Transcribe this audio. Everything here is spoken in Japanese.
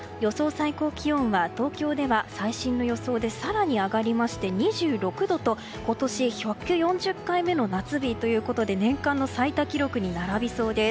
最高気温は東京では最新の予想で更に上がりまして２６度と、今年１４０回目の夏日ということで年間の最多記録に並びそうです。